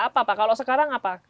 apa pak kalau sekarang apa